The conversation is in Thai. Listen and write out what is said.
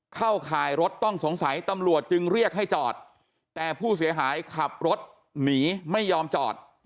ข่ายรถต้องสงสัยตำรวจจึงเรียกให้จอดแต่ผู้เสียหายขับรถหนีไม่ยอมจอด